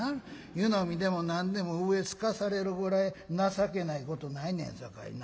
湯飲みでも何でも上すかされるぐらい情けないことないねんさかいな。